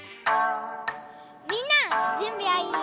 みんなじゅんびはいい？